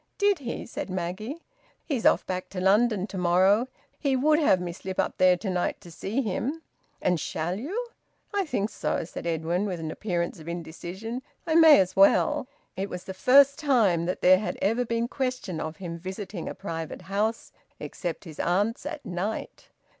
"Did he?" said Maggie. "He's off back to London to morrow. He would have me slip up there to night to see him." "And shall you?" "I think so," said Edwin, with an appearance of indecision. "I may as well." It was the first time that there had ever been question of him visiting a private house, except his aunt's, at night.